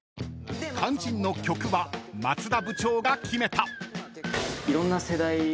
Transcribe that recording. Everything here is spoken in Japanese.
［肝心の曲は松田部長が決めた］